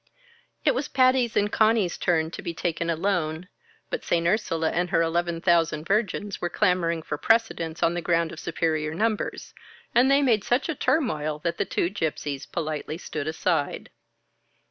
It was Patty's and Conny's turn to be taken alone, but St. Ursula and her Eleven Thousand Virgins were clamoring for precedence on the ground of superior numbers, and they made such a turmoil that the two Gypsies politely stood aside.